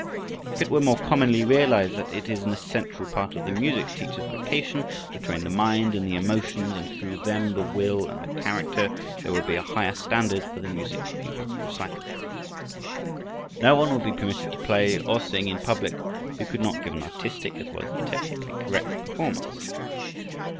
If it were more commonly realized that it is an essential part of the music teacher's vocation to train the mind and the emotions and through them the will and the character, there would be a higher standard for the music pupils' recital. No one would be permitted to play, or sing in public who could not give an artistic, as well as a technically correct performance.